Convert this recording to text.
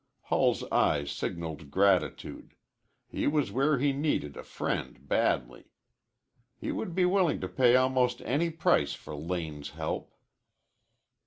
Hull's eyes signaled gratitude. He was where he needed a friend badly. He would be willing to pay almost any price for Lane's help.